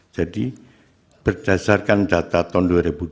jadi berdasarkan data tahun dua ribu dua puluh tiga